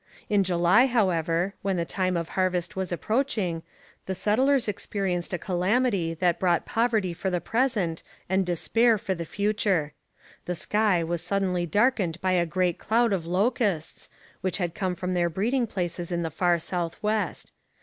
In July, however, when the time of harvest was approaching, the settlers experienced a calamity that brought poverty for the present and despair for the future. The sky was suddenly darkened by a great cloud of locusts, which had come from their breeding places in the far south west.